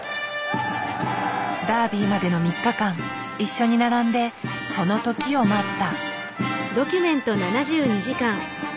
ダービーまでの３日間一緒に並んでその時を待った。